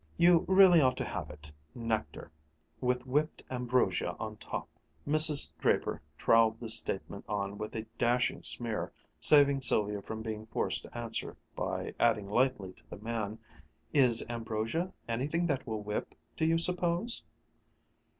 "You really ought to have it nectar; with whipped ambrosia on top." Mrs. Draper troweled this statement on with a dashing smear, saving Sylvia from being forced to answer, by adding lightly to the man, "Is ambrosia anything that will whip, do you suppose?"